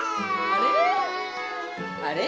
あれ？